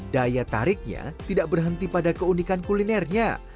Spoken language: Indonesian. daya tariknya tidak berhenti pada keunikan kulinernya